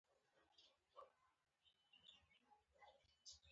د ګازرې ګل د څه لپاره وکاروم؟